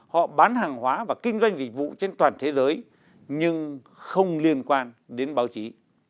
họ bán hàng hóa và kinh doanh dịch vụ trên toàn thế giới nhưng không liên quan đến báo chí